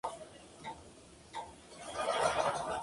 La cofradía es una reminiscencia de los ancestros indígenas.